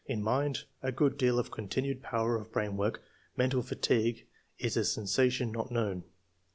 In mind — ^A good deal of continued power of brain work ; mental fatigue is a sensation not known.